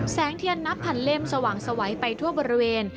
แสงเทียนนับพันเล่มสว่างสวัยไปทั่วบริเวณ